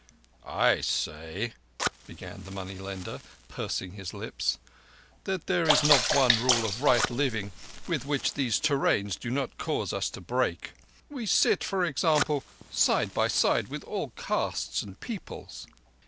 "I say," began the money lender, pursing his lips, "that there is not one rule of right living which these te rains do not cause us to break. We sit, for example, side by side with all castes and peoples."